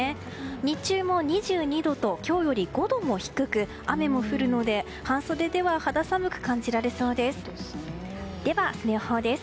日中も２２度と今日より５度も低く雨も降るので、半袖では肌寒く感じられそうです。